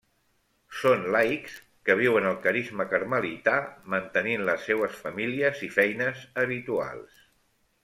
Són laics que viuen el carisma carmelità mantenint les seues famílies i feines habituals.